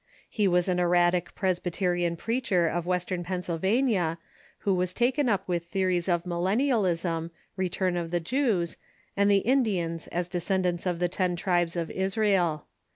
He was an eriatic Presbyterian preacher of Western Pennsylvania, who was taken up with theories of millennialism, return of the Jews, and the Indians as the de scendants of the ten tribes of Israel.